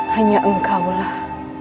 hanya engkau lah